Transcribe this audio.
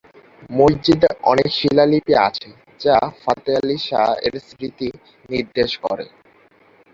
মসজিদে অনেক শিলালিপি আছে যা ফাতেহ আলী শাহ এর স্মৃতি নির্দেশ করে।